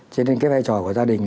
cho nên cái vai trò của gia đình